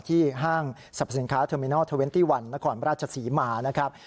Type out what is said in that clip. ที่ห้างสรรพสินค้าเทอร์มินอล๒๑นอกอนราชศรีมานะครับ